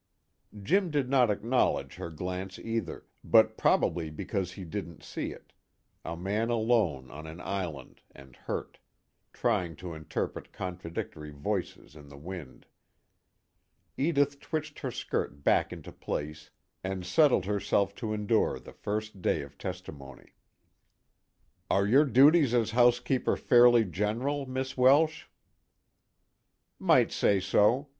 Jim did not acknowledge her glance either, but probably because he didn't see it, a man alone on an island and hurt, trying to interpret contradictory voices in the wind. Edith twitched her skirt back into place and settled herself to endure the first day of testimony. "Are your duties as housekeeper fairly general, Miss Welsh?" "Might say so.